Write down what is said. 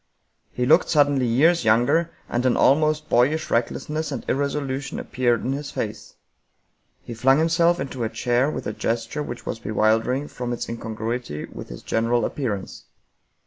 He looked suddenly years younger, and an almost boyish recklessness and irresolution appeared in his face. He flung himself into a chair with a gesture which was be wildering from its incongruity with his general appearance.